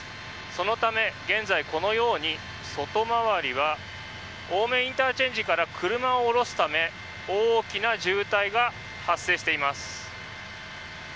そのため現在このように外回りは青梅ＩＣから車を下ろすため大きな渋滞が発生しています。